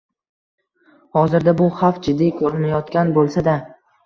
Hozirda bu xavf jiddiy ko‘rinmayotgan bo‘lsa-da